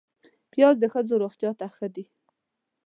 پیاز د ښځو روغتیا ته ښه دی